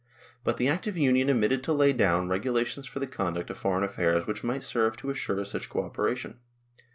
But the Act of Union omitted to lay down regu lations for the conduct of foreign affairs which might serve to assure such co operation.